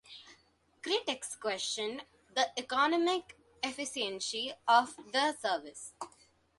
Critics question the economic efficiency of the service.